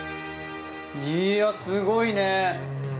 いやすごいね。